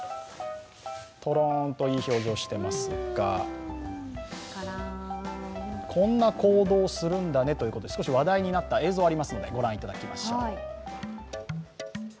とろーんといい表情していますがこんな行動をするんだねということで話題になった映像ご覧いただきましょう。